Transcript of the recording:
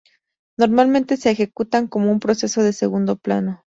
Normalmente se ejecutan como un proceso de segundo plano.